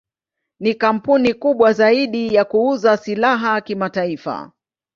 Ni kampuni kubwa zaidi ya kuuza silaha kimataifa.